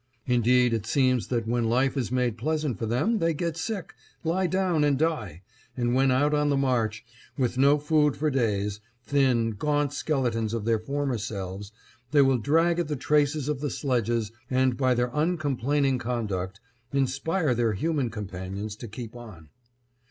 Indeed it seems that when life is made pleasant for them they get sick, lie down and die; and when out on the march, with no food for days, thin, gaunt skeletons of their former selves, they will drag at the traces of the sledges and by their uncomplaining conduct, inspire their human companions to keep on.